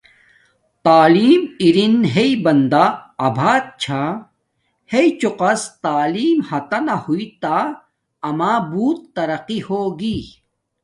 تعلیم ارینݣ ہݶ بندا آبات چھا۔ ہݶ چوکس تعلیم ہاتنہ ہوݶ تہ اما بوت ترقی ہوگی۔